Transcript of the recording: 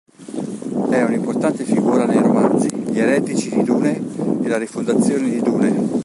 È un'importante figura nei romanzi "Gli eretici di Dune" e "La rifondazione di Dune".